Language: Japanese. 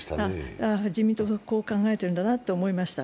自民党はこう考えているんだなと思いました。